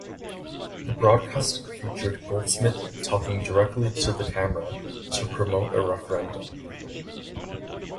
The broadcast featured Goldsmith talking directly to the camera to promote a referendum.